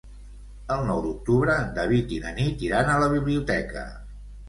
El nou d'octubre en David i na Nit iran a la biblioteca.